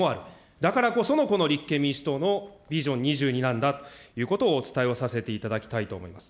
だからこそのこの立憲民主党のビジョン２２なんだということをお伝えをさせていただきたいと思います。